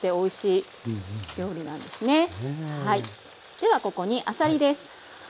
ではここにあさりです。